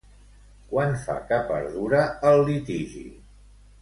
Quant fa que perdura el litigi?